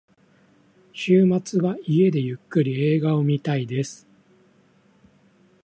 週末は家でゆっくり映画を見たいです。